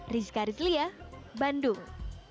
rizka ridzliah bandung